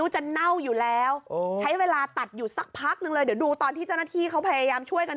ใช้เวลาตัดอยู่สักพักเลย